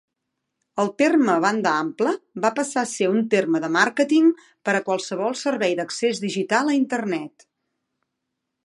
El terme "banda ampla" va passar a ser un terme de màrqueting per a qualsevol servei d'accés digital a Internet.